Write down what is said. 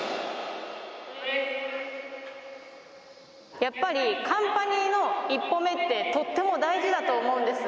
やっぱり、カンパニーの１歩目ってとっても大事だと思うんです。